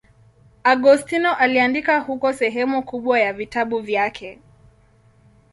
Agostino aliandika huko sehemu kubwa ya vitabu vyake.